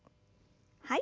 はい。